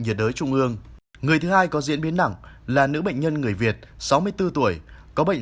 nhiệt đới trung ương người thứ hai có diễn biến nặng là nữ bệnh nhân người việt sáu mươi bốn tuổi có bệnh